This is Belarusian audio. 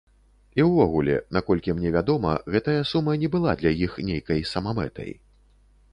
І ўвогуле, наколькі мне вядома, гэтая сума не была для іх нейкай самамэтай.